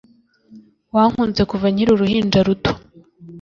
Wankuze kuva nkiri uruhinja ruto